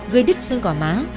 gây đứt xương gỏ má